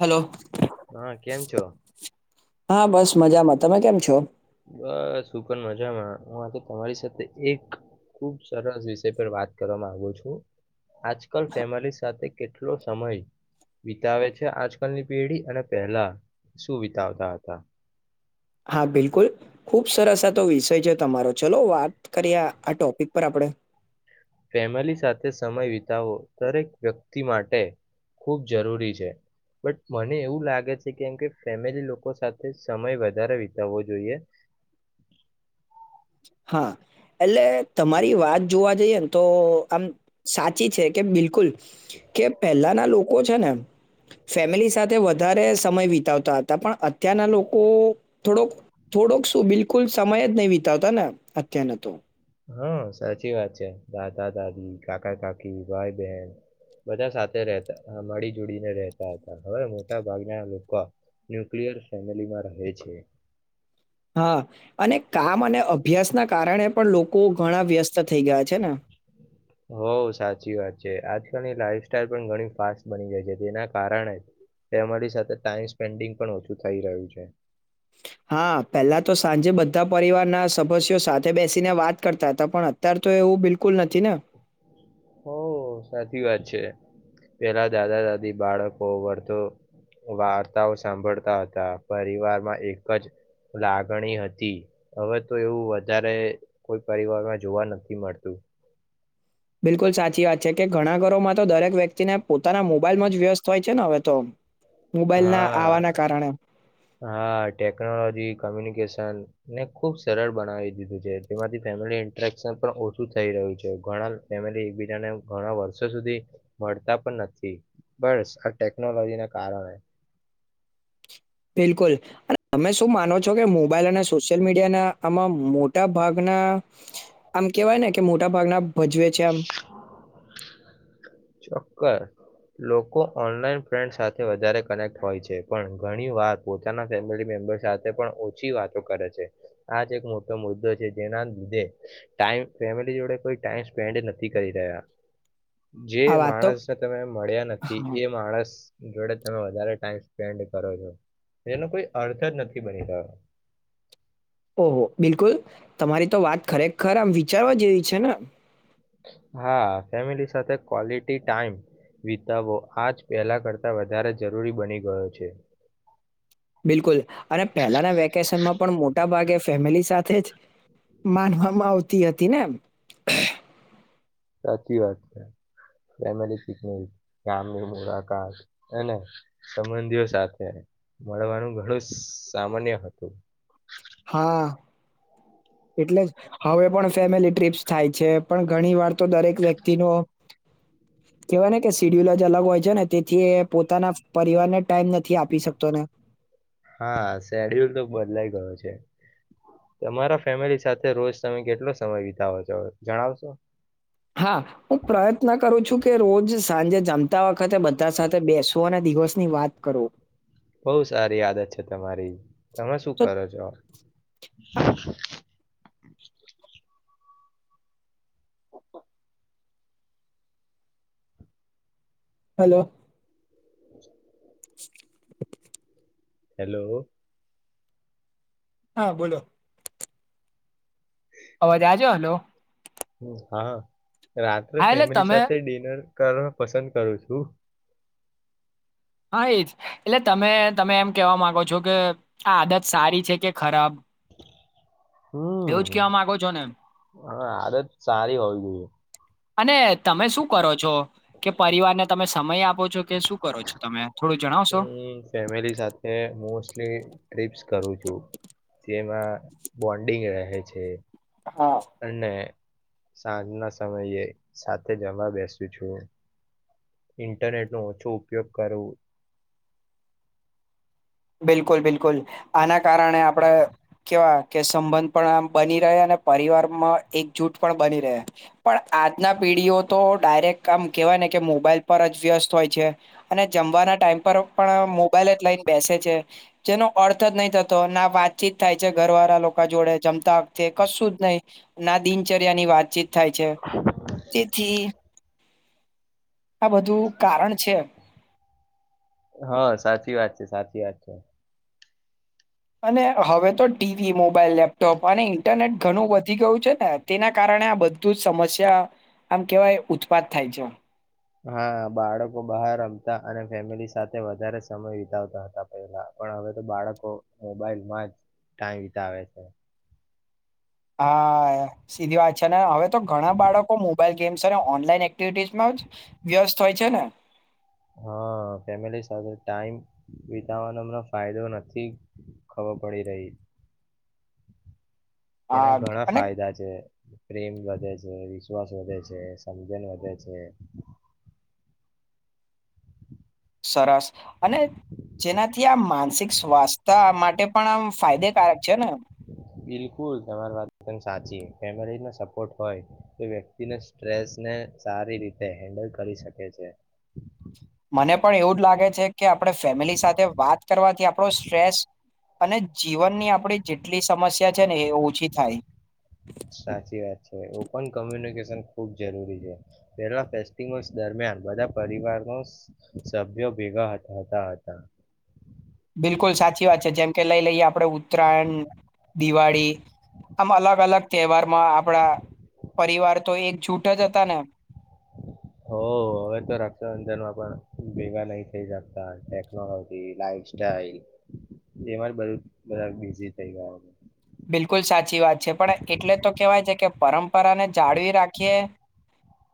Hello હા કેમ છો? હા બસ મજામાં તમે કેમ. પ છો. બસ શું પણ મજામાં હું આજે તમારી સાથે એક ખુબ સરસ વિષય પર વાત કરવા માગુ છું આજકાલ ફેમલી સાથે કેટલો સમય વિતાવે છે આજકાલની પેઢી અને પહેલા શું વિતાવતા હતા. હા બિલકુલ ખુબ સરસ આતો વિષય છે તમારો ચલો વાત કરીએ આ ટોપિક પર આપણે. ફેમિલી સાથે સમય વિતાવવો દરેક વ્યક્તિ માટે ખૂબ જરૂરી છે બટ મને એવું લાગે છે કેમ કે ફેમિલી લોકો સાથે સમય વધારે વિતાવવો જોઈએ. હા એટલે તમારી વાત જોવા જઈએ ને. તો આમ સાચ ચી છે કે બિલકુલ કે પહેલાના લોક લોકો છે ને ફેમિલી સાથે વધારે સમય વિતાવતા હતા પણ અત્યારના લોકો થોડોક થોડોક શું બિલ કુલ સમય જ ન વીતાવ તા ને અત્યાર ના તો હા સાચી વાત છે દાદા દાદી કાકા કાકી ભાઈ બહેન બધા સાથેતા મળી જોડીને રહેતા હતા હવે મોટા ભાગના લોકો ન્યુકિલયર ફેમિલીમાં રહે છે. હા અને કામ અને અભ્યાસ ના કારણે પણ લોકો ઘણા વ્યસ્ત થઈ ગયા છે ને ની સાઈલણી ફાસ્ટ બની ગઈ છે તેના કારણે તે અમારી સાથે ટાઈમ સ્પેન્ડિંગ પણ ઓછું થઈ રહ્યું છે. હા પેલા તો સાંજે બધા પરિવારના સદસ્યો સાથે બેસીને વાત કરતા હતા પણ અત્યાર તો એવું બિલકુલ નથી. ને. હ સાચી વાત છે. પેલા દાદા દાદી બાળકો વર્તો વાર્તાઓ સાંભળતા હતા પરિવારમાં એક જ લાગણી હતી હવે તો એવું વધારે કોઈ પરિવારમાં જોવા નથી મળતું. બિલકુલ સાચી વાત છે કે ઘણા ઘરોમાં તો દરેક વ્યક્તિને પોતાના મોબાઈલમાં જ વ્યસ્ત હોય છે ને હવે તો મોબાઈલના આવવાના હા કારણે. હા ટેકનોલોજી કમ્યુનિકેશન ને ખુબ સરળ બનાવી દીધું છે જેમાંથી ફેમિલી ઇન્ટરેક્શન પણ ઓછું થઈ રહ્યું છે ઘણા ફેમિલી એકબીજાને ઘણા વર્ષો સુધી મળતા પણ નથી બસ આ ટેકનોલોજી ના કારણે બિલકુલ અને તમે શું માનો છો. જો કે મોબાઈલ અને સોશિયલ મીડિયાના આમાં મોટા ભાગના આમ કેવાય ને કે મોટા ભાગના ભજવે છે આમ કર લોકો ઓનલાઈન ફ્રેન્ડ સાથે વધારે કનેક્ટ હોય છે પણ ઘણી વાર પોતાના ફેમિલી મેમ્બર સાથે પણ ઓછી વાતો કરે છે આ જ એક મોટો મુદ્દો છે જેના લીધે ટાઈમ ફેમિલી જોડે કોઈ ટાઈમ સપેડ નથી કરી રહ્યા જે આ વાત તો માણસને તમે મળ્યા નથી હા. એ માણસ જોડે તમે વધારે ટાઈમ સ્પેન્ડ કરો છો એનો કોઈ અર્થ જ નથી બની રહ્યો. ઓહો બિલકુલ તમારી તો વાત ખરેખર આમ વિચારવા જેવી છે ને હા ફેમિલી સાથે ક્વોલિટી ટાઈમ વિતાવવો આજ પહેલા કરતા વધારે જરૂરી બની ગયો છે. બિલકુલ અને પહેલાના વેકેશનમાં પણ મોટા ભાગે ફેમિલી સાથે જ માનવામાં આવતી હતી ને એમ સાચી વાત છે ફેમલી પિકનિક ગામની મુલાકાત અને સંબંધીઓ સાથે મળવાનું ઘણું સામાન્ય હતું. હા એટલે હવે પણ ફેમિલી ટ્ર્રીપ્સ થાય છે પણ ઘણી વાર તો દરેક વ્યક્તિનુ કેવાય ને કે સિડ્યુલ જ અલગ હોય છે ને તેથી પોતાના પરિવારને ટાઈમ નથી આપી શકતો ને હા શેડ્યુલ તો બદલાય ગયો છે તમારા ફેમિલી સાથે રોજ તમે કેટલો સમય વિતાવો છો જણાવશો હા હું પ્રયત્ન કરું છું કે રોજ સાંજે જમતા વખતે બધા સાથે બેસો અને દિવસની વાત કરો બોવ સારી આદત છે તમારી તમે શું તો કરો છો. [inaudible] હલો [inaudible] હેલોલો હા બોલોલો અવાજ આજો હલો હમ હા હા રાત્રે હા એટલે ફેમિલી તમે સાથે ડિનર કર પસંદ કરું છું જ એટલે તમે તમે એમ કેવા માંગો છો કે આ આદત સારી છે કે ખરાબ એવું હમ જ કેવા માંગો છો ને હ આદત સારી હોવી જોઈએ અને તમે શું કરો છો કે પરિવારને તમે સમય આપો છો કે શું કરો છો તમે થોડું હ જણાવશો? ફેમિલી સાથે મોસ્ટલી ટિપ્સ કરું છું જેમાં બોન્ડિંગ રહે છે હા અનેને સાંજના સમયે સાથે જમવા બેસું છું ઇન્ટરનેટ નો ઓછો ઉપયોગ કરવું બિલકુલ બિલકુલ આના કારણે આપડે કેવા કે સંબંધ પણ આ બની રહે અને પરિવારમાં એકજૂટ પણ બની રહે પણ આજના પીઢીઓ તો ડાયરેક્ટ કામ કેહેવાય ને કે મોબાઈલ પર જ વ્યસ્ત હોય છે અને જમવાના ટાઈમ પણ મોબાઈલ જ લઈને બેસે જ જેનો અર્થ જ નહી થતો ના વાતચીત થાય છે ઘરવાળા લોકો જોડે જમતા વતે કશું જ નહી ના દિનચર્યા ની વાતચીત થાય છે તેથી આ બધું કારણ છે હા સાચી વાત છે સાચી વાત છે અને હવે તો ટીવી મોબાઈલ લેપટોપ અને ઈન્ટરનેટ ઘણું વધી ગયું છે ને તેના કારણે આ બધું જ સમસ્યા આમ કહેવાય ઉત્પાદ થાય છે હા બાળકો બહાર રમતા અને ફેમિલી સાથે વધારે સમય વિતાવતા હતા પેલા પણ હવે તો બાળકો મોબાઈલમાં જ ટાઈમ વિતાવે છે હા સીધી વાત છે ને હવે તો ઘણા બાળકો મોબાઈલ ગ અને ઓનલાઈન એક્ટિવિમાં જ વ્યસ્ત હોય છે. ને હા ફેમિલી સાથે ટાઈમ વિતાવાનો હમને ફાયદો નથી ખબર પડી રહી આ એના ઘણા અને ફાયદા છે પ્રેમ વધે છે વિશ્વાસ વધે છે સમજણ વધે છે સરસ અને જેનાથી આ માનસિક સ્વાસ્થ્ય માટે પણ આમ ફાયદેકારક છે ને બિલકુલ તમારી વાત એકમ સાચી ફેમિલી સપોર્ટ હોય તો વ્યક્તિ સ્ટ્રેસને સારી રીતે હેન્ડલ કરી શકે છે મને પણ એવું જ લાગે છે કે આપણે ફેમિલી સાથે વાત કરવાથી આપણો સ્ટ્રેસ અને જીવનની આપણી જેટલી સમસ્યા છે ને એ ઓછી થાય સાચી વાત છે ઓપન કોમ્યુનિકેશન. ખૂબ જરૂરી છે પેલા ફેસ્ટિવ દરમિયાન બધા પરિવાર સભ્યો ભેગા હતા હતા. બિલકુલ સાચી વાત છે જેમકે લઈ લઈએ આપડણે ઉત્તરાયણ દિવાળી આમ અલગ અલગ તહેવારમાં આપડા પરિવાર તો એક જૂઠ જ હતા ને. હો હવે તો રક્ષાબંધનમાં પણ ભેગા નહી થઈ શકતા ટેકનોલોજી લાઈફ સાઈલ એમાં જ બધું બધા બીઝ થઈ ગયા. બિલકુલ સાચી વાત છે પણ એટલે તો કેવાય છે કે પરં. પરાને જાળવી રાખીએ.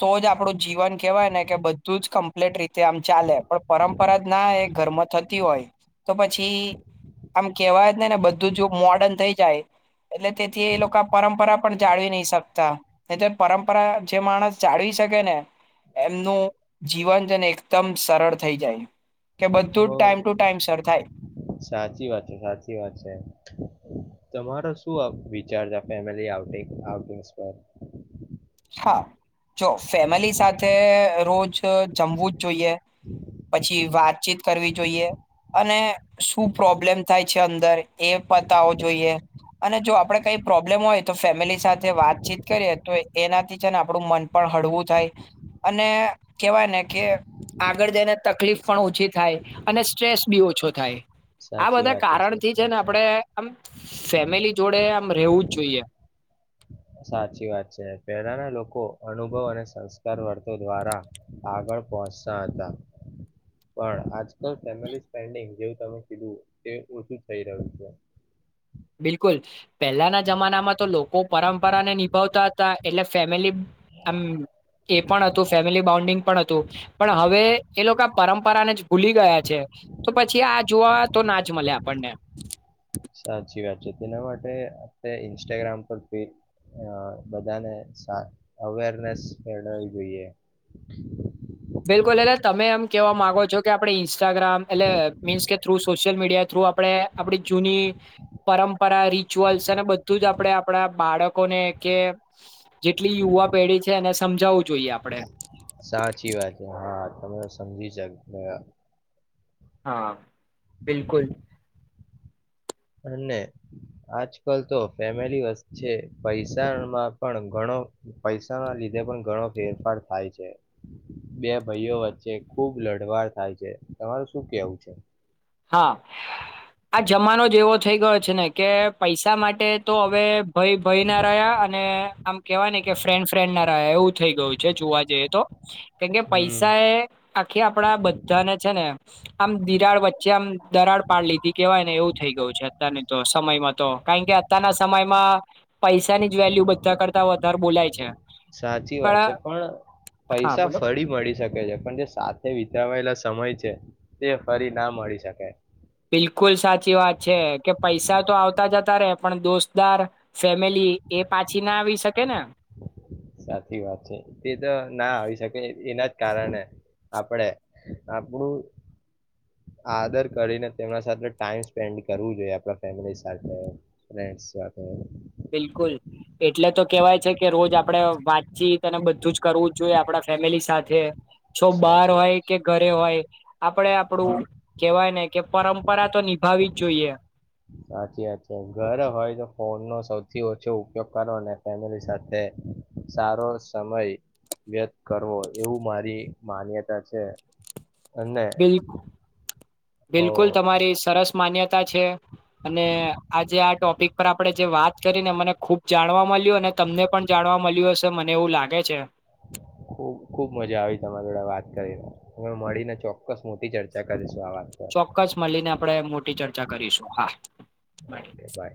તો જ આપડું જીવન કેહેવાય ને કે બધું જ કમ્પ્લીટ રીતે આમ ચાલે પણ પરંપરા જ ના એ ઘરમાં થતી હોય તો પછી આમ કેહેવાય ને ને બધું જ મોર્ડન થઈ જાય એટલે તેથી એ લોકો પરંપરા. પણ જાળવી નહી શકતા એ તો પરંપરા. જે માણસ. ચળવી શકે ને એમનું જીવન જેને એકદમ સરળ થઈ જાય. કે બધું હ જ ટાઈમ ટુ ટાઈમ સર થાય સાચી વાત છે સાચી વાત છે. તમારો શું વિચારતા ફેમલી પર. હા જો ફેમિલી સાથે રોજ જમવું જ જોઈએ પછી વાતચીત કરવી જોઈએ અને શું પ્રોબ્લેમ થાય છે અંદર એ પતાવો જોઈએ અને જો આપણે કઈ પ્રોબ્લેમ હોય તો ફેમિલી સાથે વાતચીત કરીએ તો. એનાથી છે ને આપણું મન પણ હળવું થાય અને કહેવાય ને કે આગળ જઈને તકલીફ પણ ઓછી થાય અને સ્ટ્રેસ બી ઓછો થાય. આ સાચી બધા વાત કારણથી સાચી છે વાત ને આપડે આમ ફેમિલી જોડે. રહેવું જ જોઈએ. સાચી વાત છે પહેલાના લોકો અનુભવ અને સંસ્કાર વર્ત દ્વારા આગળ પહોંચતા હતા પણ આજ. ફેમિલીેડિંગ જે. તમે કીધું તે ઓછું થઈ રહ્યું છે. બિલકુલ. પહેલાના જમાનામાં તો લોકો પરંપરાને નિભાવતા. એટલે ફેમિલી આમ એ પણ હતું ફેમિલી બોન્ડિંગ પણ હતું પણ હવે એ લોકો પરંપરાને જ ભૂલી ગયા છે તો પછી આ જોવા તો ના જ મળે આપણને. સાચી વાત છે તેના માટે આપ ઇન્સ્ટાગ્રામ પર બધાને અવેરનેસ મેળવી જોઈએ. બિલકુલ એલે તમે એમ કેહેવા માંગો છો કે આપણે ઇન્સ્ટાગ્રામ એટલે મીન્સ કે થ્રુ સોશિયલ મીડિયા થ્રુ આપણે આપ જૂની પરંપરા રિચુઅલ્સ અને બધું જ આપણે આપણા બાળકોને કે જેટલી યુવા પેઢી છે એને સમજાવવું જોઈએ આપણે. કે હા તમે સમજી શ. હા બિલકુલ. અને આજકાલ તો ફેમિલી વચ્ચે પૈસામાં પણ ઘણો પૈસા ના લીધે પણ ઘણો ફેરફાર થાય છે બે ભાઈઓ વચ્ચે ખુબ લડવાર થાય છે તમારું શું કેવું છે. હા. આ જમાનો જેવો. એ થઈ ગયો છે ને કે પૈસા માટે તો હવે ભય ભય ના રહ્યા અને આમ કેવાય ને કે ફ્રેન્ડ ફ્રેન્ડ ના રહ્યા એવું થઈ ગયું છે જોવા જઈએ તો. કેમકે હમ્મ. પૈસા એ આખી આપણા બધાને છે ને. આમ દિરાડ વચ્ચે. પછ આમ દરાડ પાડ લીધી કેવાય ને એવું થઈ ગયું છે અત્યની તો સમયમાં તો કારણ કે અત્યના સમયમાં પૈસાની જ વેલ્યુ બધા કરતા વધારે બોલાય છે. સાચી વાત છે પણ હા પૈસા બોલો ફરી મળી શકે છે પણ જે સાથે. વાયેલા સમય છે તે ફરી ના મળી શકાય. બિલકુલ સાચી વાત છે કે પૈસા તો આવતા જતા રે પણ દોસ્તદાર ફેમિલી એ પાછી ના આવી શકે ને. સાચી વાત છે તે તો ના આવી શકે એના જ કારણે આપણે આપણું આદર કરીને તેમના સાથે ટાઈમ સ્પેન્ડ કરવું જોઈએ આપ ફેમિલી સાથે ફ સાથે. બિલકુલ એટલે તો કેવાય છે કે રોજ આપડે વાતચીત અને બધું જ કરવું જોઈએ આપણા ફેમિલી સાથે. છો બાર સાચી વાત હોય કે ઘરે હોય આપડે આપડું કેવાય ને કે પરંપરા તો નિભાવી. જોઈએ સાચી વાત છે ઘરે હોય તો ફોનનોો સૌથી ઓછો ઉપયોગ કરો અને ફેમિલી સાથે સારો સમય વ્યત કરવો એવું મારી માન્યતા છે અને બિલકુલ હો બિલકુલ તમારી સરસ માન્યતા છે અને આજે આ ટોપિક પર આપણે જે વાત કરીને મને ખુબ જાણવા મળ્યું અને તમને પણ જાણવા મળ્યું હશે મને એવું લાગે છે ખુબ ખુબ મજા આવી તમારીડા વાત કરીને હ મળીને ચોક્કસ મોટી ચર્ચા કરીશ ચોક્કસ મળીને આપડે મોટી ચર્ચા કરીશું હા મળીયે ઓકે બાય.